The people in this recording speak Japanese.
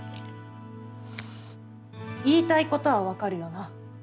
言いたいことは分かるよな。